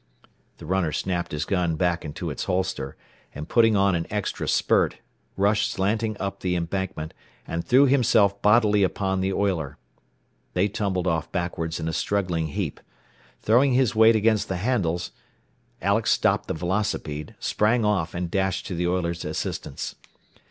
The runner snapped his gun back into its holster, and putting on an extra spurt, rushed slanting up the embankment, and threw himself bodily upon the oiler. They tumbled off backwards in a struggling heap. Throwing his weight against the handles, Alex stopped the velocipede, sprang off, and dashed to the oiler's assistance.